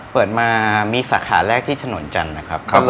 เปิดมามีสาขาแรกที่ถนนจันทร์นะครับ